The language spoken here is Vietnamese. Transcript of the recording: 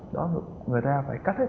đó là người ta phải cắt hết